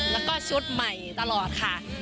แล้วก็ชุดใหม่ตลอดค่ะ